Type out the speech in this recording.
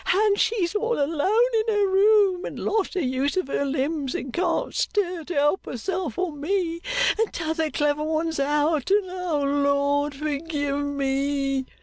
And she's all alone in her room, and lost the use of her limbs and can't stir to help herself or me, and t'other clever one's out, and Lord forgive me!